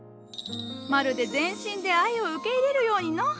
まるで全身で愛を受け入れるようにのう。